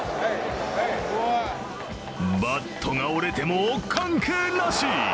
バットが折れても関係なし。